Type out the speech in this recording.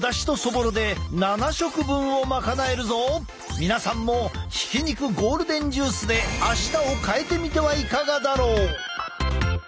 皆さんもひき肉ゴールデンジュースで明日を変えてみてはいかがだろう！